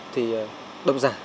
thì độc giả